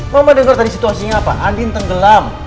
mama dengar tadi situasinya apa andin tenggelam